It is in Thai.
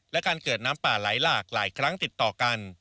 และการเกิดน้ำป่าไหลหลากหลายครั้งติดต่อกัน